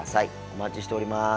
お待ちしております。